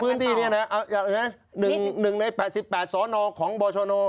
พื้นที่นี่นะอยากเห็นไหม๑ใน๘๘ศของบอชโน